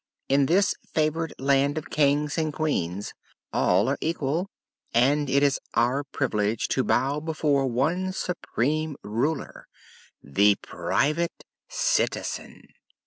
In this favored land all Kings and Queens are equal, and it is our privilege to bow before one supreme Ruler the Private Citizen."